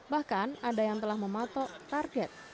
bahkan ada yang telah mematok target